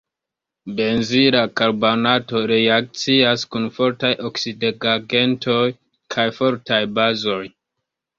Benzila karbonato reakcias kun fortaj oksidigagentoj kaj fortaj bazoj.